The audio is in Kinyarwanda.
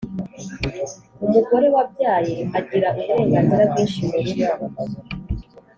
umugore wabyaye agira uburenganzira bwinshi mu rugo